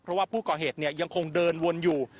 เพราะว่าผู้ก่อเหตุยังคงเดินวนอยู่